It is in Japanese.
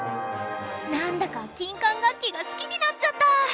なんだか金管楽器が好きになっちゃった。